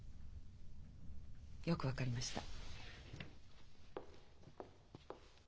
よく分かりました。